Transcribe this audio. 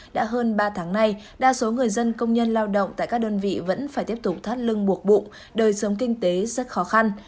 đã hơn ba tháng nay đa số người dân công nhân lao động tại các đơn vị vẫn phải tiếp tục thắt lưng buộc bụng đời sống kinh tế rất khó khăn